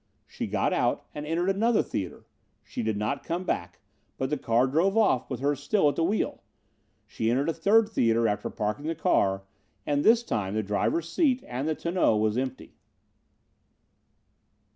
"She got out and entered another theater. She did not come back, but the car drove off with her still at the wheel. She entered a third theater after parking the car and this time the driver's seat and the tonneau was empty.